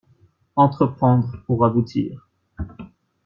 Entreprendre pour aboutir